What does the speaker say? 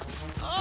あ！